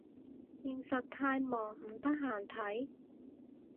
現實太忙唔得閒睇